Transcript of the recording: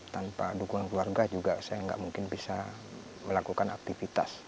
tanpa dukungan keluarga juga saya nggak mungkin bisa melakukan aktivitas